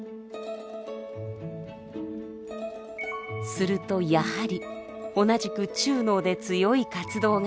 するとやはり同じく中脳で強い活動が。